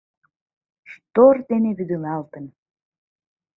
Штор дене вӱдылалтын.